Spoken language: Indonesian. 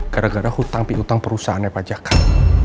gara gara hutang pihutang perusahaan pajakak